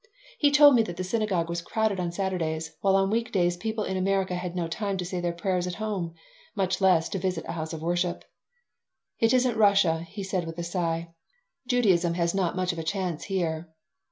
He told me that the synagogue was crowded on Saturdays, while on week days people in America had no time to say their prayers at home, much less to visit a house of worship "It isn't Russia," he said, with a sigh. "Judaism has not much of a chance here."